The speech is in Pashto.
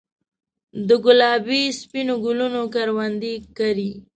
دګلابي ، سپینو ګلونو کروندې کرې